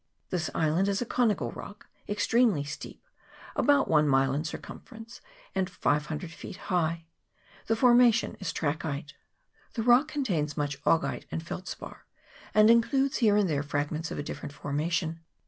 This island is a conical rock, extremely steep, about one mile in circumference and 500 feet high ; the form* ation is trachyte. The rock contains much augite and felspar, and includes here and there fragments of a different formation.